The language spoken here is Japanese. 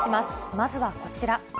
まずはこちら。